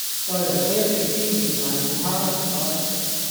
再黎多一碟椒鹽瀨尿蝦吖唔該